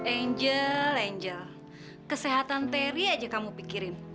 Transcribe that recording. angel angel kesehatan terry aja kamu pikirin